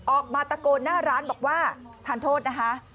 ออกมาตะโกนหน้าร้านบอกว่าทานโทษนะคะ